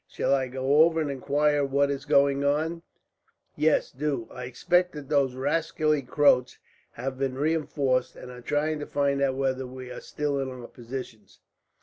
Shall I go over and inquire what is going on?" "Yes, do. I expect that those rascally Croats have been reinforced, and are trying to find out whether we are still in our positions."